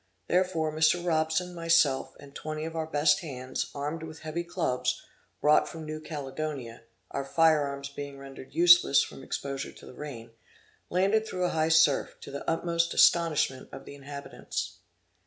Therefore Mr. Robson, myself, and 20 of our best hands, armed with heavy clubs, brought from New Caledonia, (our fire arms being rendered useless from exposure to the rain) landed through a high surf, to the utmost astonishment of the inhabitants.